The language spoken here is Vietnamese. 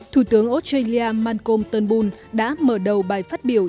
thủ tướng australia malcolm turnbull đã mở đầu bài phát biểu